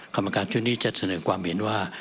กรรมการชุดนี้จะเสนอความเห็นว่า